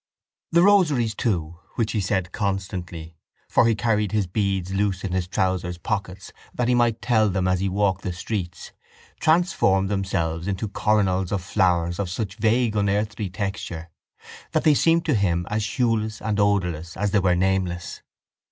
The rosaries, too, which he said constantly—for he carried his beads loose in his trousers' pockets that he might tell them as he walked the streets—transformed themselves into coronals of flowers of such vague unearthly texture that they seemed to him as hueless and odourless as they were nameless.